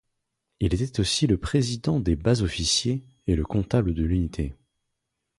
Il était aussi le président des bas-officiers et le comptable de l'unité.